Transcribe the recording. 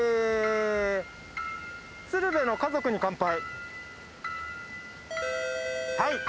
『鶴瓶の家族に乾杯』